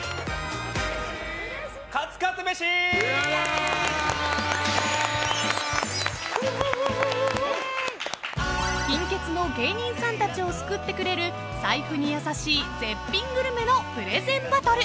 「カツカツ飯」［金欠の芸人さんたちを救ってくれる財布に優しい絶品グルメのプレゼンバトル］